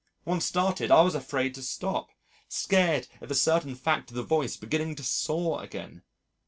Once started, I was afraid to stop scared at the certain fact of the voice beginning to saw again.